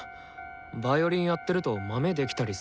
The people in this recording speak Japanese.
ヴァイオリンやってるとマメできたりするから。